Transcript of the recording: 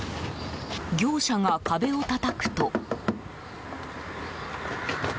業者が壁をたたくと。